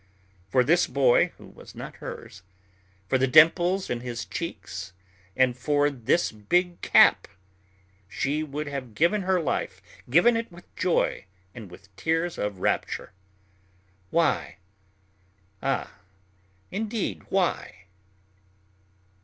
For this boy, who was not hers, for the dimples in his cheeks and for his big cap, she would have given her life, given it with joy and with tears of rapture. Why? Ah, indeed, why?